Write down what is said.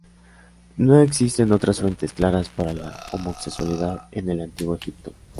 No existen otras fuentes claras para la homosexualidad en el antiguo Egipto.